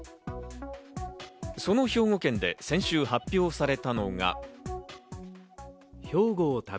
その兵庫県で先週発表されたのが。